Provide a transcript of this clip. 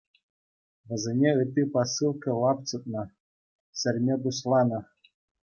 Вӗсене ытти посылка лапчӑтнӑ, ҫӗрме пуҫланӑ.